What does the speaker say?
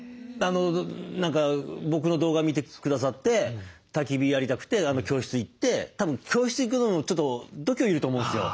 何か僕の動画見てくださってたき火やりたくて教室行ってたぶん教室行くのもちょっと度胸要ると思うんですよ。